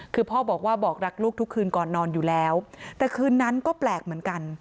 คือพ่อบอกว่าบอกรักลูกทุกคืนก่อนนอนอยู่แล้วแต่คืนนั้นก็แปลกเหมือนกัน